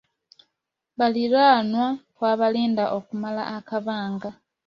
Baliraanwa twabalinda okumala akabanga.